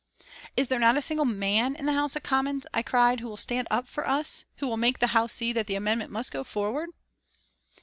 "Is there not a single man in the House of Commons," I cried, "one who will stand up for us, who will make the House see that the amendment must go forward?"